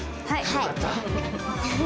よかった。